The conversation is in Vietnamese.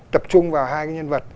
tập trung vào hai cái nhân vật